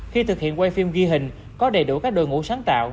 khi thực hiện quay phim ghi hình có đầy đủ các đội ngũ sáng tạo